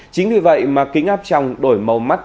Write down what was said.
chính vì vậy mà kính áp trong đổi màu mắt